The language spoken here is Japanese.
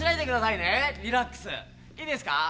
いいですか？